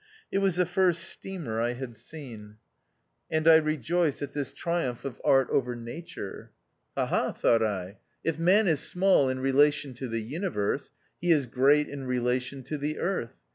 It was the first steamer I had seen, 248 THE OUTCAST. and I rejoiced at this triumph of Art over Nature. Ha ! ha ! thought I, if man is small in relation to the Universe, he is great in relation to the Earth.